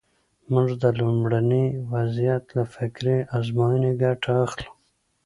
موږ د لومړني وضعیت له فکري ازموینې ګټه اخلو.